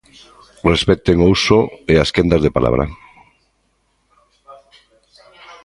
Respecten o uso e as quendas de palabra.